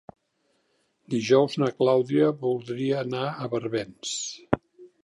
Dijous na Clàudia voldria anar a Barbens.